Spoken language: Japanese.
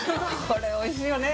これおいしいよね